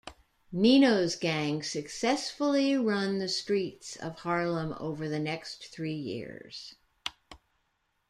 Nino's gang successfully run the streets of Harlem over the next three years.